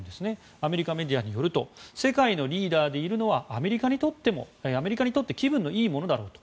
アメリカメディアによると世界のリーダーでいるのはアメリカにとって気分のいいものだろうと。